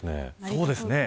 そうですね。